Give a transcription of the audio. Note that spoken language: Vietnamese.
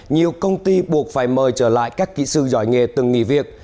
nhiều công ty buộc phải mời trở lại các kỹ sư giỏi nghề từng nghỉ việc